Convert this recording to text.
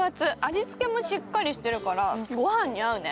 味付けもしっかりしてるからごはんに合うね。